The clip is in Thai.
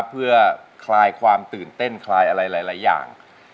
เพื่อคลายความตื่นเต้นคลายอะไรหลายอย่าง